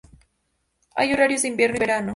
Hay horarios de invierno y verano.